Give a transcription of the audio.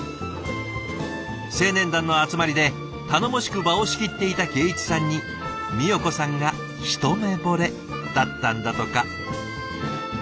青年団の集まりで頼もしく場を仕切っていた敬一さんにみよ子さんが一目ぼれだったんだとか。